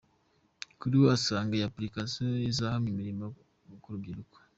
Kuri we asanga iyi Application izahanga imirimo ku rubyiruko.